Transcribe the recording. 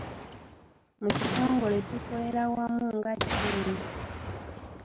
Mu kitongole tukolera wamu nga ttiimu.